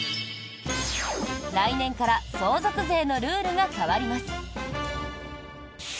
来年から相続税のルールが変わります。